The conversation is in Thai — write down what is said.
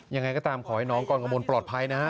ยังไงก็ตามขอให้น้องก่อนข้อมูลปลอดภัยนะครับ